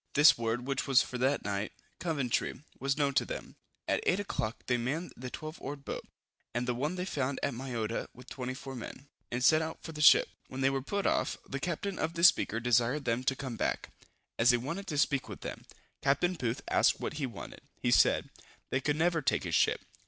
This word, which was for that night, Coventry, was known to them. At 8 o'clock they manned the twelve oared boat, and the one they found at Mayotta, with 24 men, and set out for the ship. When they were put off, the captain of the Speaker desired them to come back, as he wanted to speak with them. Capt. Booth asked what he wanted! He said, "they could never take his ship."